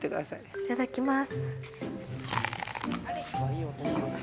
いただきます。